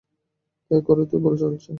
তাই করেই তো চলছে।